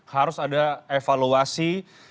harus ada evaluasi